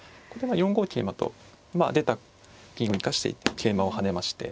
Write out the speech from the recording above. ４五桂馬と出た銀を生かして桂馬を跳ねまして。